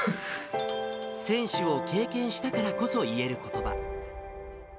選手を経験したからこそ言えることば。